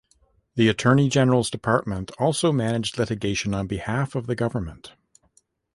The Attorney-General's Department also managed litigation on behalf of the government.